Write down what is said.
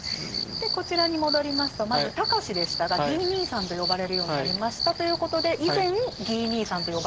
でこちらに戻りますとまず隆でしたがギー兄さんと呼ばれるようになりましたということで以前ギー兄さんと呼ばれた人がいたわけですよね。